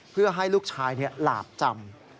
เพื่อให้ลูกชายหลาบจำ